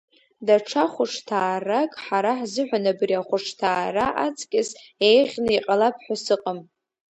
Даҽа хәышҭаарак ҳара ҳзыҳәан абри ахәышҭаара аҵкьыс еиӷьны иҟалап ҳәа сыҟам.